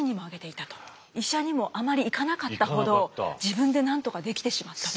医者にもあまり行かなかったほど自分でなんとかできてしまったと。